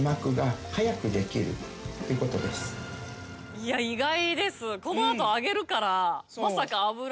いや意外です。